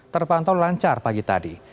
terpantau lancar pagi tadi